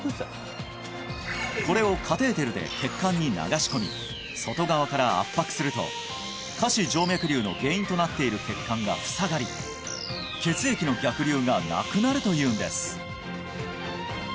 これをカテーテルで血管に流し込み外側から圧迫すると下肢静脈瘤の原因となっている血管が塞がり血液の逆流がなくなるというんです